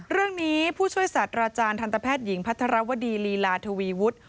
เรื่องนี้ผู้ช่วยศาสตราจารย์ทันตแพทย์หญิงพัทรวดีลีลาทวีวุฒิ